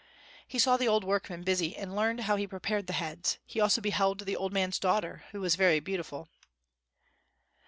He saw the old workman busy and learned how he prepared the heads; he also beheld the old man's daughter, who was very beautiful.